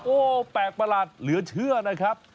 โอ้โหแปลกประหลาดเหลือเชื่อนะครับ